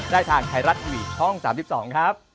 ได้ทางไทยรัตน์วีดีโอช่อง๓๒ครับ